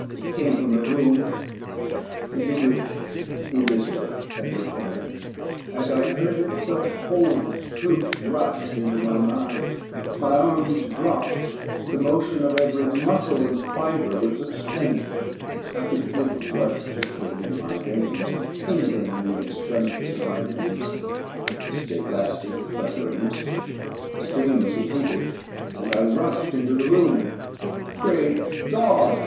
It came from the room into which Elizabeth had retired. As I heard it, the whole truth rushed into my mind, my arms dropped, the motion of every muscle and fibre was suspended; I could feel the blood trickling in my veins, and tingling in the extremities of my limbs. This state lasted but for an instant; the scream was repeated, and I rushed into the room. Great God!